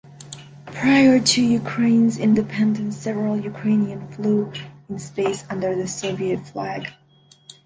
Prior to Ukraine's independence, several Ukrainians flew in space under the Soviet flag.